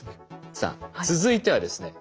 さあ続いてはですね